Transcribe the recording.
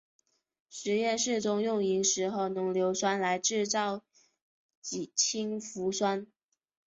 实验室中用萤石和浓硫酸来制造氢氟酸。